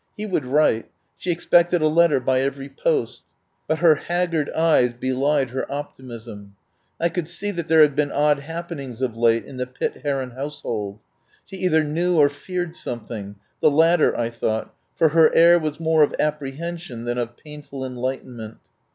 He would write; she expected a letter by every post. But her haggard eyes belied her optimism. I could see that there had been odd happen ings of late in the Pitt Heron household. She either knew or feared something — the latter, I thought, for her air was more of apprehen sion than of painful enlightenment.